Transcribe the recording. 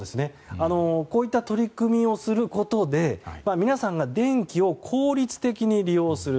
こういった取り組みをすることで皆さんが電気を効率的に利用する。